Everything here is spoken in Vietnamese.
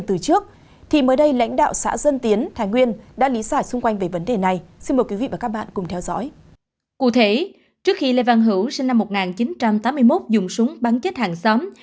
cụ thể trước khi lê văn hữu sinh năm một nghìn chín trăm tám mươi một dùng súng bắn chết hàng xóm